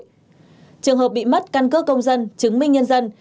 trường hợp bị mất căn cước công dân chứng minh nhân dân